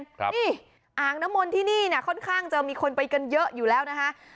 นี้อ่างนมลที่นี่ค่อนข้างจะมีคนไปเยอะแล้วนะคะ